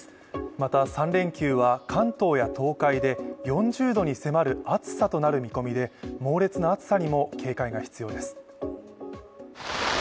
また、３連休は関東や東海で４０度に迫る暑さとなる見込みで猛烈な暑さにも警戒が必要です。